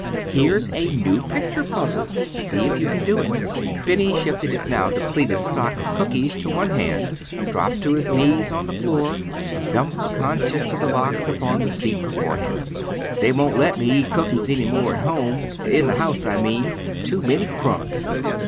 "Here's a new picture puzzle. See if you can do it." Benny shifted his now depleted stock of cookies to one hand, dropped to his knees on the floor, and dumped the contents of the box upon the seat before him. "They won't let me eat cookies any more at home—in the house, I mean. Too many crumbs."